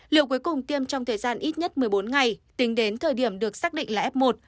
liệu cuối cùng tiêm trong thời gian ít nhất một mươi bốn ngày tính đến thời điểm được xác định là f một